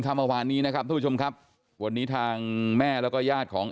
ถ้าเมื่อวานนี้นะครับทุกผู้ชมครับวันนี้ทางแม่แล้วก็ญาติของ